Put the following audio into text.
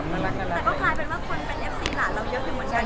แต่ก็กลายเป็นว่าคนเป็นเอฟซีหลานเราเยอะอยู่เหมือนกัน